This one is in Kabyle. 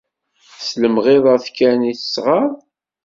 d lemɣiḍat kan i tt-tɣaḍ.